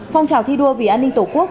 phong trào thi đua vì an ninh tổ quốc